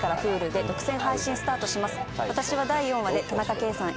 私は第４話で田中圭さん